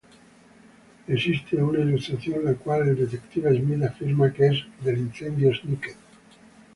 Existe una ilustración la cual el Detective Smith afirma que es del incendio Snicket.